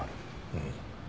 うん。